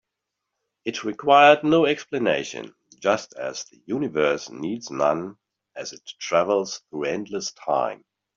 It required no explanation, just as the universe needs none as it travels through endless time.